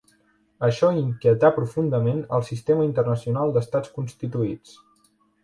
Això inquietà profundament el sistema internacional d'estats constituïts.